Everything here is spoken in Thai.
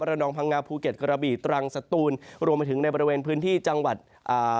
นองพังงาภูเก็ตกระบีตรังสตูนรวมไปถึงในบริเวณพื้นที่จังหวัดอ่า